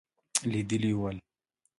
لیدلي ول.